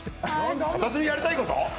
私がやりたいこと？